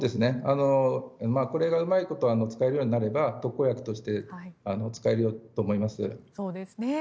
これがうまいこと使えるようになれば特効薬として使えると思います。